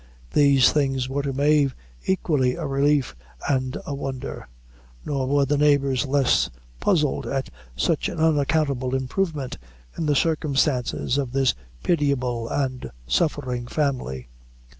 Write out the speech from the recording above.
These things were to Mave equally a relief and a wonder; nor were the neighbors less puzzled at such an unaccountable improvement in the circumstances of this pitiable and suffering family.